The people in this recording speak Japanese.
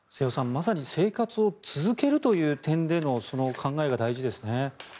まさに生活を続けるという点での考えが大事ですね。